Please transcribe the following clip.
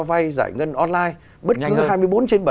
vay giải ngân online bất cứ hai mươi bốn trên bảy